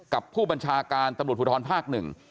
กับผู้บัญชาการตำรวจภูทรภาคหนึ่ง